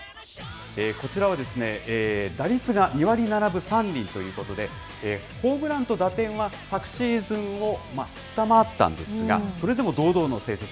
こちらは、打率が２割７分３厘ということで、ホームランと打点は昨シーズンを下回ったんですが、それでも堂々の成績。